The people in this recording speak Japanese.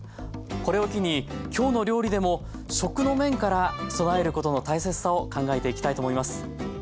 これを機に「きょうの料理」でも食の面から備えることの大切さを考えていきたいと思います。